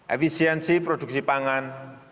efisiensi produksi pangan